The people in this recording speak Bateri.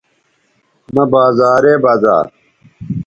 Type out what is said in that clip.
مہ بازارے بزا